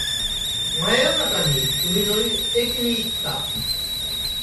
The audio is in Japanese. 真夜中に海の駅に行った